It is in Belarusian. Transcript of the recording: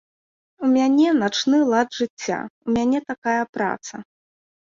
У мяне начны лад жыцця, у мяне такая праца.